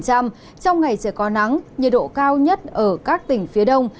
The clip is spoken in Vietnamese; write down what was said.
trong ngày trời có nắng nhiệt độ cao nhất ở các tỉnh phía đông